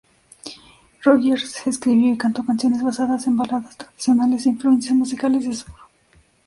Rodgers escribió y cantó canciones basadas en baladas tradicionales e influencias musicales de sur.